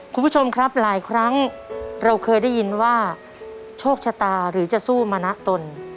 คุณผู้ชมครับหลายครั้งเราเคยได้ยินว่าโชคชะตาหรือจะสู้มานะตน